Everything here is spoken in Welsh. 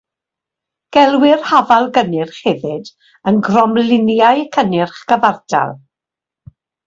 Gelwir hafal-gynnyrch hefyd yn gromliniau cynnyrch cyfartal.